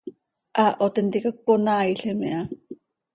Haaho tintica cöconaaailim iha.